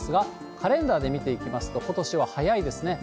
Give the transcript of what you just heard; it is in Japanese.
カレンダーで見ていきますと、ことしは早いですね。